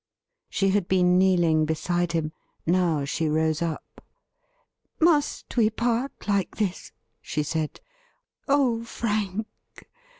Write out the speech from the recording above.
She had been kneeling beside him. Now she rose up. ' Must we part like this ? she said. ' Oh, Frank